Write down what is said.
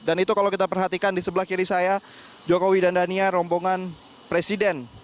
dan itu kalau kita perhatikan di sebelah kiri saya jokowi dan dania rombongan presiden